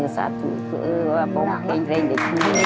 สัตว์ที่คือว่าบ้องแข็งแข็งเด็ดขึ้นด้วยครับ